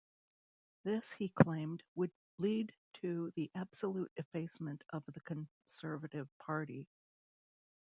This, he claimed, would lead to "the absolute effacement of the Conservative Party".